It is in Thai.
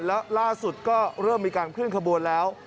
แล้วล่าสุดก็เริ่มมีการเคลื่อนขบวนแล้ว